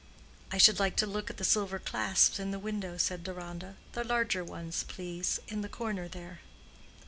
"I should like to look at the silver clasps in the window," said Deronda; "the larger ones, please, in the corner there."